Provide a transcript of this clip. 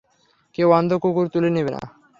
কেউ অন্ধ কুকুর তুলে নিবে না।